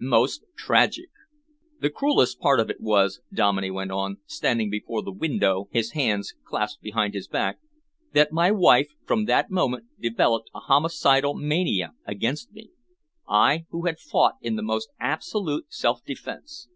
"Most tragic!" "The cruel part of it was," Dominey went on, standing before the window, his hands clasped behind his back, "that my wife from that moment developed a homicidal mania against me I, who had fought in the most absolute self defence.